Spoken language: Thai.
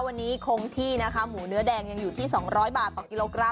วันนี้คงที่นะคะหมูเนื้อแดงยังอยู่ที่๒๐๐บาทต่อกิโลกรัม